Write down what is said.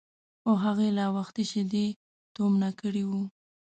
خو هغې لا وختي شیدې تومنه کړي وو.